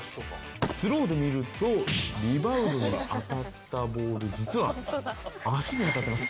スローで見るとリヴァウドに当たったボール実は足に当たっています。